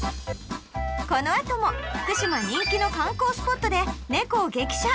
このあとも福島人気の観光スポットで猫を激写！